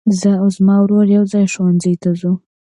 زه او زما ورور يوځای ښوونځي ته ځو.